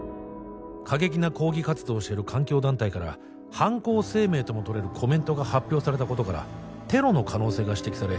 過激な抗議活動をしてる環境団体から犯行声明ともとれるコメントが発表されたことからテロの可能性が指摘され